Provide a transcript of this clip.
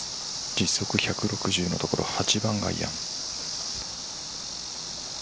実測８０のところ８番アイアン。